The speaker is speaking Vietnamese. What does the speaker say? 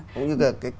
giống như là